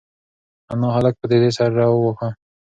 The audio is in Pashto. انا هلک په تېزۍ سره وواهه.